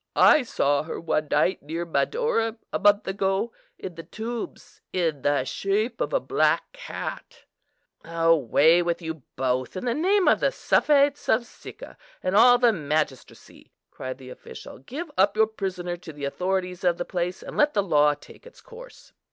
I saw her one night near Madaura, a month ago, in the tombs in the shape of a black cat." "Away with you both, in the name of the Suffetes of Sicca and all the magistracy!" cried the official. "Give up your prisoner to the authorities of the place, and let the law take its course."